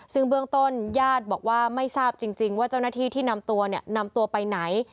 ซึ่งเบื้องต้นญาติบอกว่าไม่ทราบจริงเจ้าหน้าที่ที่นำตัวไปไหน